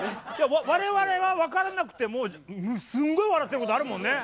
我々が分からなくてもすんごい笑ってることあるもんね。